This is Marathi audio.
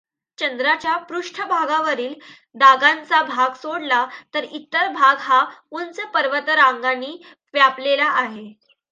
चंद्राच्या पृष्ठभागावरील डागांचा भाग सोडला तर इतर भाग हा उंच पर्वतरांगानी व्यापलेला आहे.